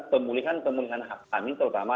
pemulihan pemulihan hak kami terutama